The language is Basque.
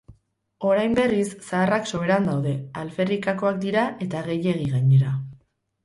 Orain, berriz, zaharrak soberan daude, alferrikakoak dira eta gehiegi gainera.